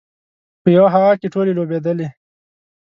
په یوه هوا کې ټولې لوبېدلې.